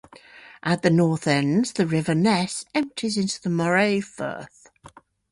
At the north end, the River Ness empties into the Moray Firth.